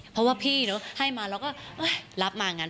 เพราะว่าพี่เนอะให้มาแล้วก็เอ๊ยรับมางั้น